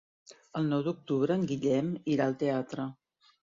El nou d'octubre en Guillem irà al teatre.